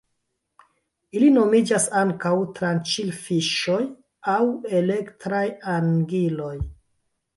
Ili nomiĝas ankaŭ tranĉilfiŝoj aŭ elektraj angiloj.